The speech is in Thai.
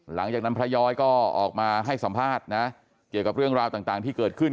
หลังจากนั้นพระย้อยก็ออกมาให้สัมภาษณ์นะเกี่ยวกับเรื่องราวต่างที่เกิดขึ้น